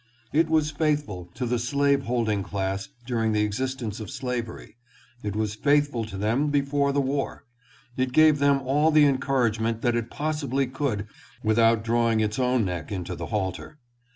It was faithful to the slave holding class during the existence of slavery. It was faithful to them before the war. It gave them all the encour agement that it possibly could without drawing its own neck into the halter.